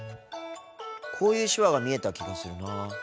こういう手話が見えた気がするなぁ。